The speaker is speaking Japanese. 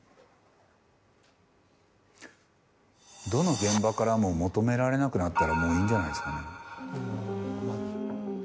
どの現場からも求められなくなったらもういいんじゃないですかねうん。